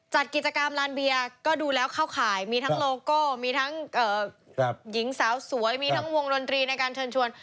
จัดกิจกรรมลานเบียร์ก็ดูแล้วเข้าข่ายมีทั้งโลโก้มีทั้งหญิงสาวสวยมีทั้งวงดนตรีในการเชิญชวน